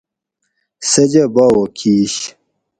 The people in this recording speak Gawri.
سجہ باوہ کیش